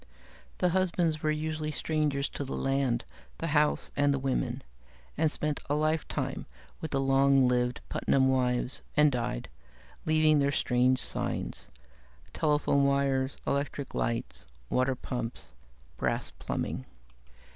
The husbands were usually strangers to the land, the house, and the women, and spent a lifetime with the long lived Putnam wives, and died, leaving their strange signs: telephone wires, electric lights, water pumps, brass plumbing.